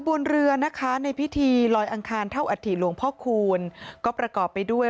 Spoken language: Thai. บนเรือนะคะในพิธีลอยอังคารเท่าอัฐิหลวงพ่อคูณก็ประกอบไปด้วย